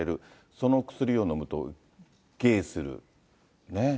その薬を飲むとゲーする。ね。